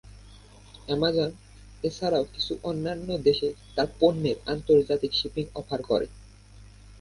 Amazon এছাড়াও কিছু অন্যান্য দেশে তার পণ্যের আন্তর্জাতিক শিপিং অফার করে।